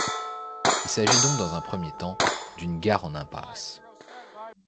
Il s'agit donc dans un premier temps d'une gare en impasse.